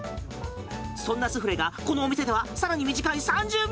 そんなスフレがこのお店では更に短い３０秒。